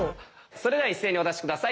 それでは一斉にお出し下さい。